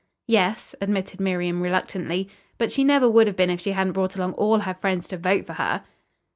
"Yes," admitted Miriam reluctantly, "but she never would have been if she hadn't brought along all her friends to vote for her."